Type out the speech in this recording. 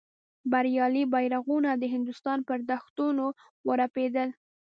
بریالي بیرغونه د هندوستان پر دښتونو ورپېدل.